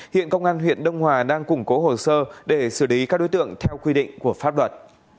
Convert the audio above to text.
hiện công an huyện đông hòa đang củng cố hồ sơ để xử lý các đối tượng theo quy định của pháp luật